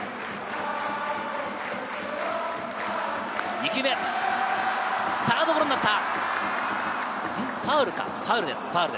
２球目、サードゴロになった。